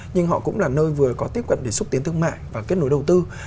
nhưng họ cũng là nơi vừa có tiếp cận để xúc tiến thương mại và kết nối đầu tư